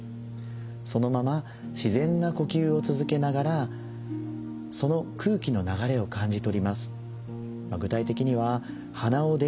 そのまま自然な呼吸を続けながらその空気の流れを感じ取ります。